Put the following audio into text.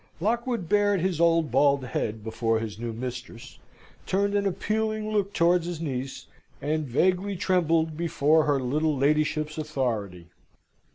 Lockwood bared his old bald head before his new mistress, turned an appealing look towards his niece, and vaguely trembled before her little ladyship's authority.